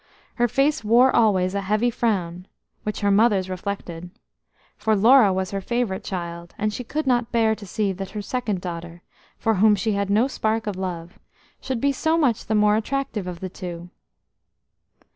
Her face wore always a heavy frown, which her mother's reflected; for Laura was her favourite child, and she could not bear to see that her second daughter, for whom she had no spark of love, should be so much the more attractive of the two.